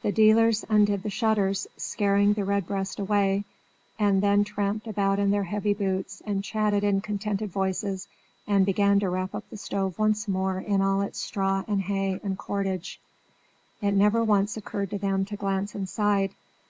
The dealers undid the shutters, scaring the red breast away; and then tramped about in their heavy boots and chatted in contented voices, and began to wrap up the stove once more in all its straw and hay and cordage. It never once occurred to them to glance inside.